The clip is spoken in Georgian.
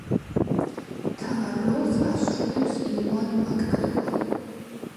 მთავარ როლს ასრულებს იუან მაკგრეგორი.